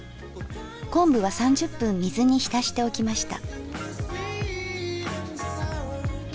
昆布は３０分水に浸しておきました。